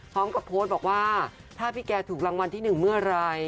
พร้อมกับโพสต์บอกว่าถ้าพี่แกถูกรางวัลที่๑เมื่อไหร่